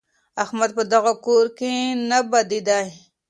احمد په دغه کور کي نه بېدېدی.